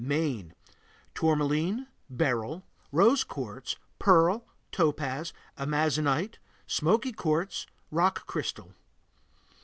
Maine Tourmaline, beryl, rose quartz, pearl, topaz, amazonite, smoky quartz, rock crystal.